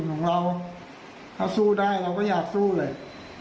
ของเราถ้าสู้ได้เราก็อยากสู้เลย